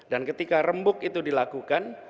dan ketika rembuk itu dilakukan